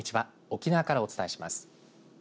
沖縄からお伝えします。